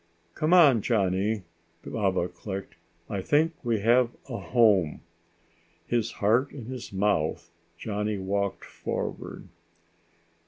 "Come on, Johnny," Baba clicked. "I think we have a home." His heart in his mouth, Johnny walked forward.